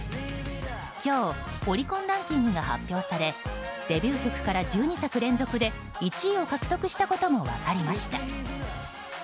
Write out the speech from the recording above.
今日、オリコンランキングが発表されデビュー曲から１２作連続で１位を獲得したことも分かりました。